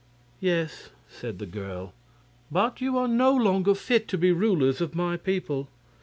"Yes," said the girl, "but you are no longer fit to be rulers of my people.